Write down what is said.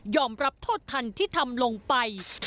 รับโทษทันที่ทำลงไป